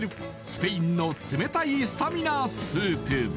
スペインの冷たいスタミナスープ